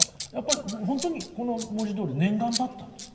ほんとにこの文字どおり念願だったんですか？